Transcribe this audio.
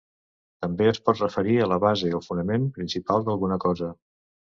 També es pot referir a la base o fonament principal d'alguna cosa.